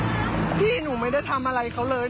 ดูคลิปกันก่อนนะครับแล้วเดี๋ยวมาเล่าให้ฟังนะครับ